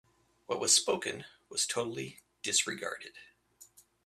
What was spoken was totally disregarded.